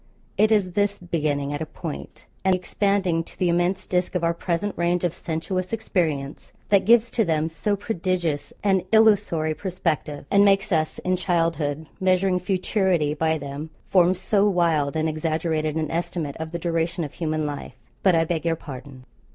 It is this beginning at a point, and expanding to the immense disk of our present range of sensuous experience, that gives to them so prodigious an illusory perspective, and makes us in childhood, measuring futurity by them, form so wild and exaggerated an estimate of the duration of human life. But, I beg your pardon.